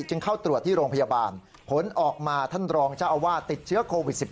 จึงเข้าตรวจที่โรงพยาบาลผลออกมาท่านรองเจ้าอาวาสติดเชื้อโควิด๑๙